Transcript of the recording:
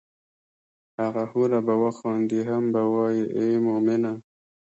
هغه حوره به وخاندي هم به وائي ای مومنه!